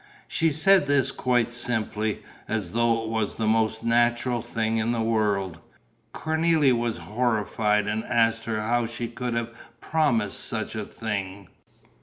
She said this quite simply, as though it was the most natural thing in the world. Cornélie was horrified and asked her how she could have promised such a thing.